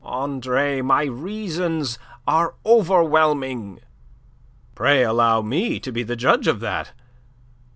"Andre, my reasons are overwhelming." "Pray allow me to be the judge of that."